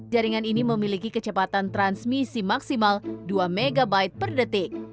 jaringan ini memiliki kecepatan transmisi maksimal dua mb per detik